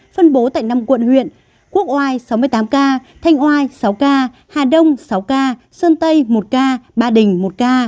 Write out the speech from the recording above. phân bố tại năm quận huyện quốc oai sáu mươi tám ca thanh oai sáu ca hà đông sáu ca sơn tây một ca ba đình một ca